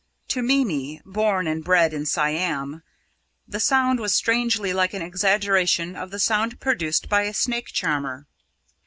To Mimi, born and bred in Siam, the sound was strangely like an exaggeration of the sound produced by a snake charmer.